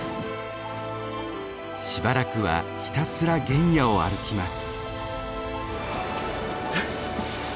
しばらくはひたすら原野を歩きます。